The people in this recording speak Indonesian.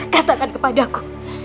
katakan kepada aku